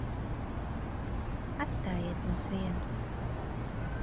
Atstājiet mūs vienus.